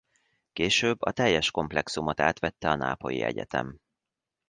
Később a teljes komplexumot átvette a Nápolyi Egyetem.